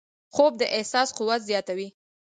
خوب د احساس قوت زیاتوي